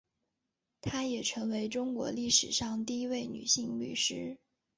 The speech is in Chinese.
她也成为中国历史上第一位女性律师。